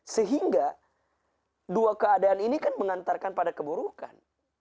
sehingga dua keadaan ini kan mengantarkan pada keburukan